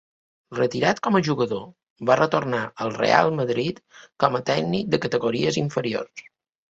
Retirat com a jugador, va retornar al Reial Madrid com a tècnic de categories inferiors.